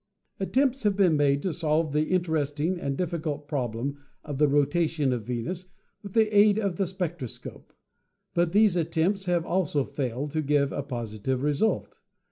Attempts have been made to solve the interesting and difficult problem of the rotation of Venus with the aid of the spectroscope, but these attempts have also failed to give a positive result.